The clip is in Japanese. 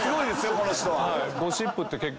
この人は。